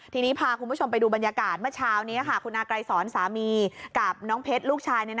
ทีนี้พาคุณผู้ชมไปดูบรรยากาศเมื่อเช้านี้คุณอาไกรสอนสามีกับน้องเพชรลูกชาย